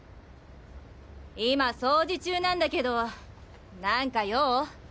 今掃除中なんだけど何か用？